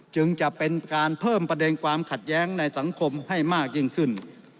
จึงจะเป็นการเพิ่มประเด็นความขัดแย้งในสังคมให้มากยิ่งขึ้น